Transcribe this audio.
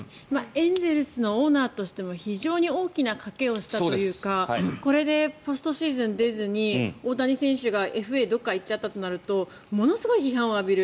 エンゼルスのオーナーとしても非常に大きな賭けをしたというかこれでポストシーズン出ずに大谷選手がＦＡでどこかに行っちゃったとなるとものすごい批判を浴びる。